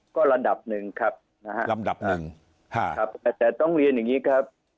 ก็ระดับหนึ่งครับแต่ต้องเรียนอย่างนี้ครับ